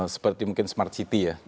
seperti mungkin smart city ya